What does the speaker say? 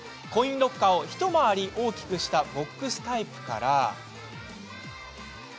コインロッカーを一回り大きくしたようなボックスタイプから。